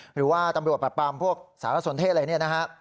หรือว่าตำรวจปรับปรามพวกสารสนเทศอะไรเนี่ยนะฮะ